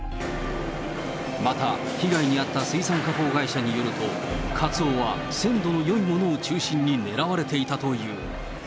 また被害に遭った水産加工会社によると、カツオは鮮度のよいものを中心に狙われていたという。